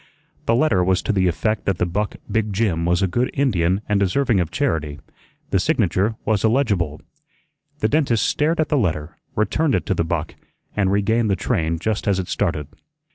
The letter was to the effect that the buck Big Jim was a good Indian and deserving of charity; the signature was illegible. The dentist stared at the letter, returned it to the buck, and regained the train just as it started.